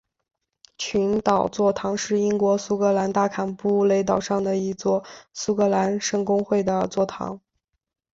群岛座堂是英国苏格兰大坎布雷岛上的一座苏格兰圣公会的座堂。